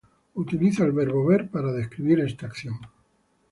Utiliza el verbo "ver" para describir esta acción.